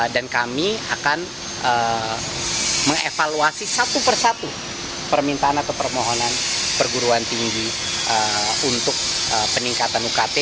dan kami akan mengevaluasi satu per satu permintaan atau permohonan perguruan tinggi untuk peningkatan ukt